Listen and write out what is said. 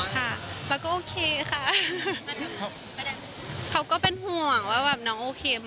ค่ะแล้วก็โอเคค่ะเขาก็เป็นห่วงว่าแบบน้องโอเค